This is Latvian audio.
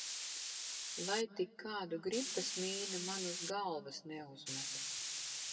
Lai tik kādu gripas mīnu man uz galvas neuzmet.